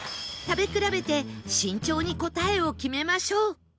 食べ比べて慎重に答えを決めましょう